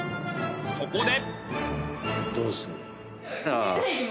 そこで。